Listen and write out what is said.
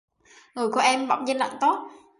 Người của em bỗng dưng lạnh toát